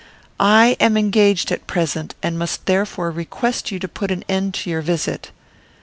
I am engaged at present, and must therefore request you to put an end to your visit."